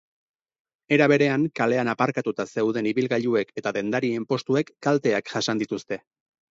Era berean, kalean aparkatuta zeuden ibilgailuek eta dendarien postuek kalteak jasan dituzte.